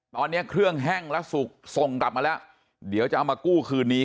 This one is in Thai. มันในเครื่องแห้งและสุกส่งไปแล้วเดี๋ยวจะมากู้คืนนี้